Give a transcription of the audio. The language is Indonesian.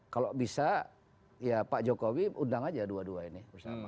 kalau bisa ya pak jokowi undang aja dua dua ini bersama